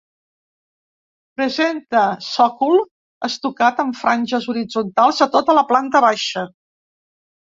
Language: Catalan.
Presenta sòcol estucat amb franges horitzontals a tota la planta baixa.